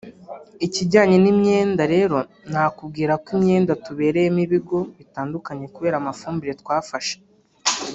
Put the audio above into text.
Ikijyanye n’imyenda rero nakubwira ko imyenda tubereyemo ibigo bitandukanye kubera amafumbire twafashe